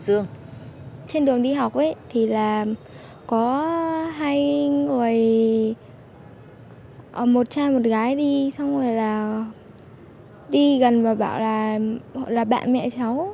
trên đường đi học có hai người một cha một gái đi xong rồi là đi gần và bảo là bạn mẹ cháu